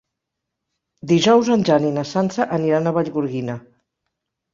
Dijous en Jan i na Sança aniran a Vallgorguina.